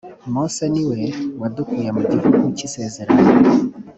mose niwe wadukuye mu gihugu cyisezezerano.